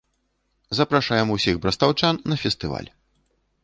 Запрашаем усіх брастаўчан на фестываль.